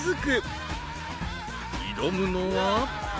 ［挑むのは］